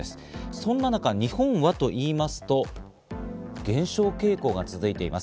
その中、日本はといいますと減少傾向が続いています。